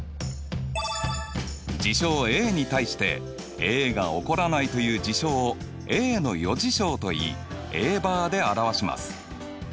事象Ａに対してＡが起こらないという事象をＡの余事象といいＡバーで表します。